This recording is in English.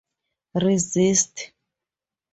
Resist.